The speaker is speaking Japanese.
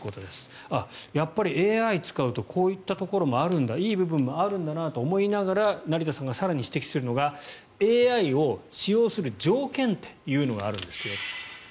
やっぱりＡＩ使うとこういったところもあるんだいい部分もあるんだなと思いながら成田さんが更に指摘するのがＡＩを使用する条件というのがあるんですよと。